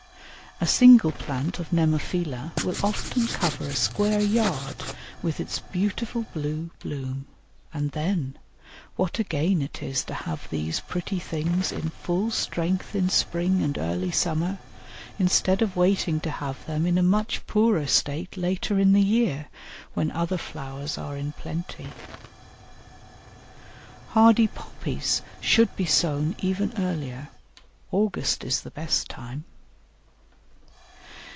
A single plant of Nemophila will often cover a square yard with its beautiful blue bloom; and then, what a gain it is to have these pretty things in full strength in spring and early summer, instead of waiting to have them in a much poorer state later in the year, when other flowers are in plenty. Hardy Poppies should be sown even earlier; August is the best time.